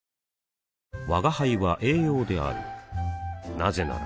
なぜなら